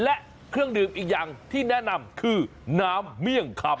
และเครื่องดื่มอีกอย่างที่แนะนำคือน้ำเมี่ยงคำ